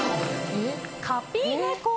カピねこ